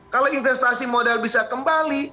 kalau investasi modal bisa kembali